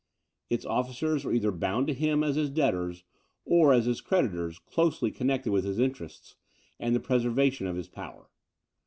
Its officers were either bound to him as his debtors, or, as his creditors, closely connected with his interests, and the preservation of his power.